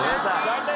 残念。